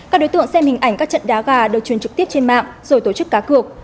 các đối tượng xem hình ảnh các trận đá gà được truyền trực tiếp trên mạng rồi tổ chức cá cược